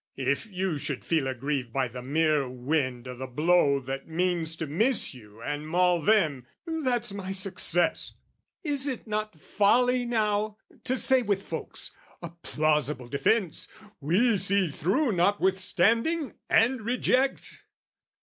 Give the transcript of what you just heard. If you should feel aggrieved by the mere wind O' the blow that means to miss you and maul them, That's my success! Is it not folly, now, To say with folks, "A plausible defence "We see through notwithstanding, and reject?"